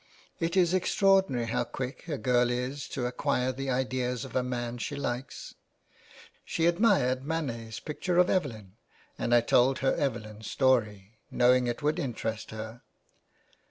It is extraordinary how quick a girl is to acquire the ideas of a man she likes. She admired Manet's picture of Evelyn, and I told her Evelyn's story — knowing it would interest her.